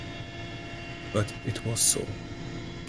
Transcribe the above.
But it was so.